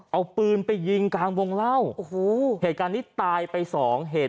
เอาปืนไปยิงกลางวงเล่าโอ้โหเหตุการณ์นี้ตายไปสองเหตุ